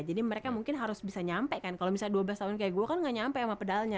jadi mereka mungkin harus bisa nyampe kan kalau misalnya dua belas tahun kayak gue kan nggak nyampe sama pedalnya